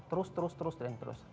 terus terus terus dan terus